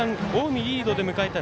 近江、リードで迎えた